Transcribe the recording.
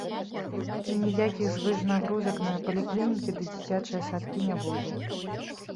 І ніякіх звышнагрузак на паліклінікі ды дзіцячыя садкі не будзе.